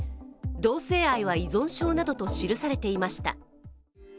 「同性愛は依存症」などと記されていました。